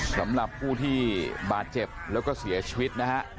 สำหรับผู้ที่บาดเจ็บแล้วก็เสียชีวิตนะฮะ